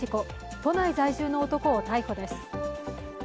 都内在住の男を逮捕です。